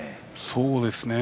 そうですね。